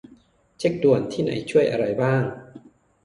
เช็กด่วนที่ไหนช่วยอะไรบ้าง